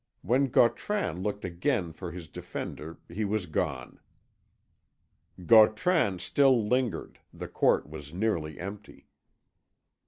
When Gautran looked again for his defender he was gone. Gautran still lingered; the court was nearly empty.